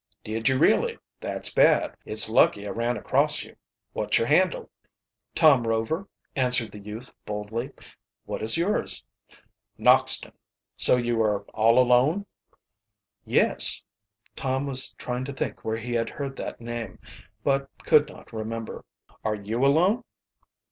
"Did you, really? That's bad. It's lucky I ran across you. What's your handle?" "Tom Rover," answered the youth boldly. "What is yours?" "Noxton. So you are all alone?" "Yes." Tom was trying to think where he had heard that name, but could not remember. "Are you alone?"